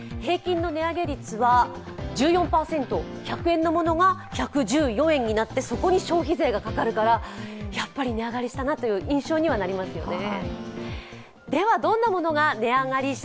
１００円のものが１１４円になってそこに消費税がかかるから、やっぱり値上がりしたなという印象にはなりますよね。